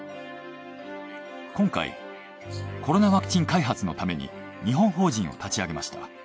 今回コロナワクチン開発のために日本法人を立ち上げました。